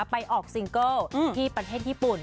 ไปออกซิงเกิลที่ประเทศญี่ปุ่น